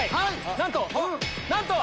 なんと‼